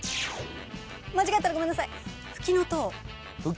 間違ったらごめんなさい。